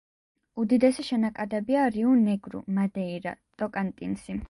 უდიდესი შენაკადებია რიუ-ნეგრუ, მადეირა, ტოკანტინსი.